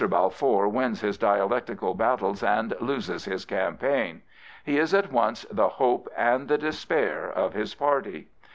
Balfour wins his dialectical battles and loses his campaign. He is at once the hope and the despair of his party.